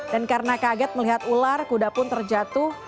dan karena kaget melihat ular kuda pun terjatuh